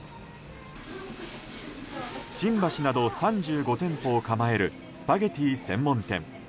新橋など３５店舗を構えるスパゲティ専門店。